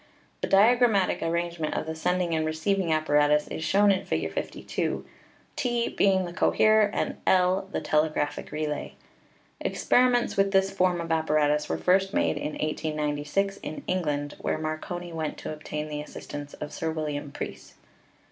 The dia grammatic arrangement of the sending and receiving ap paratus is shown in Fig. 52, T being the coherer and L the telegraphic relay. Experiments with this form of apparatus were first made in 1896 in England, where Mar coni went to obtain the assistance of Sir William Preece.